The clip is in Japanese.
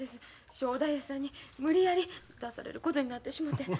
正太夫さんに無理やり出されることになってしもて。